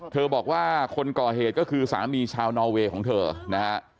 บอกว่าคนก่อเหตุก็คือสามีชาวนอเวย์ของเธอนะฮะ